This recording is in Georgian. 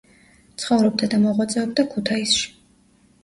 ცხოვრობდა და მოღვაწეობდა ქუთაისში.